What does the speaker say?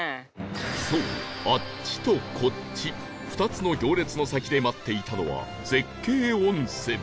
そう「あっち」と「こっち」２つの行列の先で待っていたのは絶景温泉